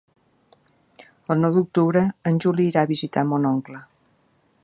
El nou d'octubre en Juli irà a visitar mon oncle.